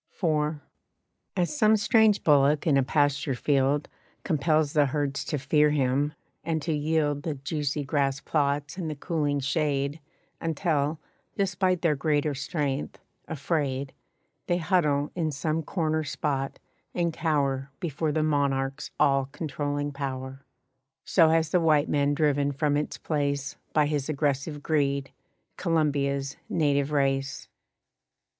IV. As some strange bullock in a pasture field Compels the herds to fear him, and to yield The juicy grass plots and the cooling shade Until, despite their greater strength, afraid, They huddle in some corner spot and cower Before the monarch's all controlling power, So has the white man driven from its place By his aggressive greed, Columbia's native race.